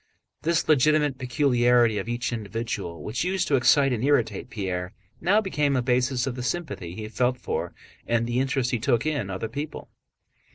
This legitimate peculiarity of each individual which used to excite and irritate Pierre now became a basis of the sympathy he felt for, and the interest he took in, other people.